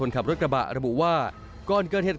ผู้ที่เคยคลบครับะระบุว่าก่อนเกิดเห็น